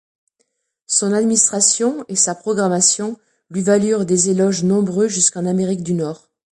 Son administration et sa programmation lui valurent des éloges nombreux, jusqu'en Amérique du nord.